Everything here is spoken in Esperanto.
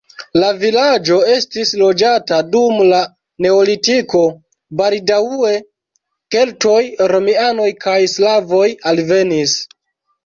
La vilaĝo estis loĝata dum la neolitiko, baldaŭe keltoj, romianoj kaj slavoj alvenis.